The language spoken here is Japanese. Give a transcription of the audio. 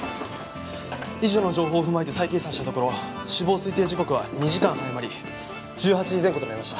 以上の情報を踏まえて再計算したところ死亡推定時刻は２時間早まり１８時前後となりました。